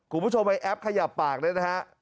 คุณผู้ชมไว้แอปขยับปากด้วยนะครับ